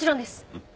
うん。